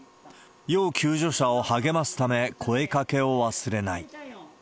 要救助者を励ますため、声かけを忘れない。